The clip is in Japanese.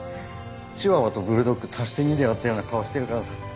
チワワとブルドッグ足して２で割ったような顔してるからさ。